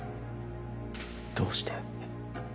どうして？